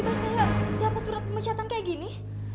kok tiba tiba saya dapat surat pemecatan kayak gini